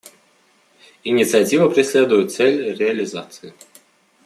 Инициатива преследует цель реализации.